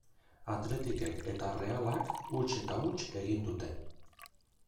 Athleticek eta Errealak huts eta huts egin dute.